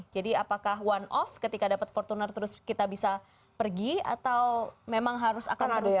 jadi apakah one off ketika dapat fortuner terus kita bisa pergi atau memang harus akan berlanjut